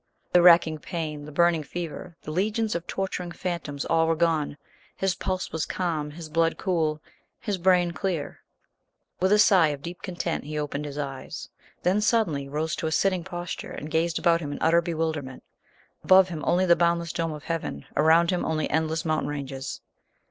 The racking pain, the burning fever, the legions of torturing phantoms, all were gone; his pulse was calm, his blood cool, his brain clear. With a sigh of deep content he opened his eyes; then suddenly rose to a sitting posture and gazed about him in utter bewilderment; above him only the boundless dome of heaven, around him only endless mountain ranges!